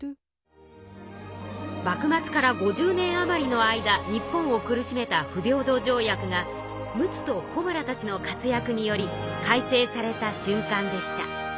幕末から５０年余りの間日本を苦しめた不平等条約が陸奥と小村たちの活躍により改正されたしゅんかんでした。